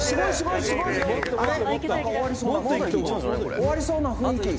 「終わりそうな雰囲気。